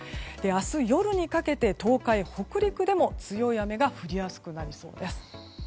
明日夕方にかけて東海から北陸でも強い雨が降りやすくなりそうです。